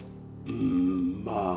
うんまあ